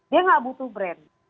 dia tidak butuh brand